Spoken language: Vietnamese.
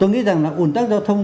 tôi nghĩ rằng là ủn tắc giao thông